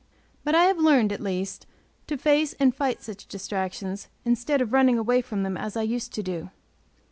But I have learned, at least, to face and fight such distractions, instead of running away from them as I used to do.